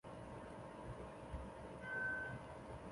并非是上文说的王桓之子王尹和。